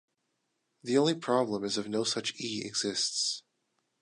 The only problem is if no such "E" exists.